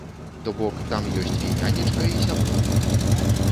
То бок, там ёсць і нянечка, і сяброўка.